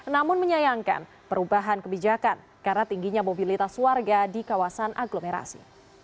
namun menyayangkan perubahan kebijakan karena tingginya mobilitas warga di kawasan aglomerasi